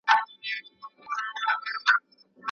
په کورنۍ روزنه کي اخلاق نه خرابېږي.